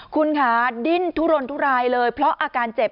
คุณค่ะดิ้นทุรนทุรายเลยเพราะอาการเจ็บ